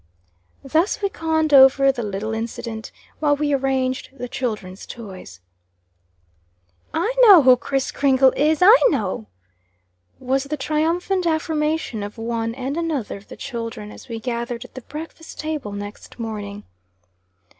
Thus we conned over the little incident, while we arranged the children's toys. "I know who Kriss Kringle is! I know!" was the triumphant affirmation of one and another of the children, as we gathered at the breakfast table next morning.